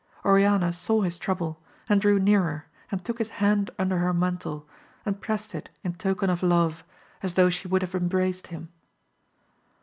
Oriana saw his trouble, and drew nearer and took his hand under her mantle, and prest it in token of love, as though she would have embraced him.